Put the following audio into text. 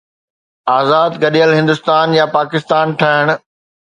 آزاد گڏيل هندستان يا پاڪستان ٺهڻ؟